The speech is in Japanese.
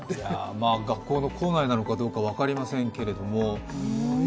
学校の構内なのか、分かりませんけれども。